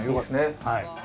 はい。